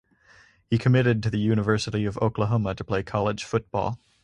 He committed to the University of Oklahoma to play college football.